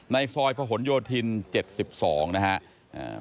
ในซอยพระหลโยธิน๗๒นะครับ